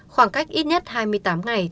khoảng cách ít nhất hai mươi tám ngày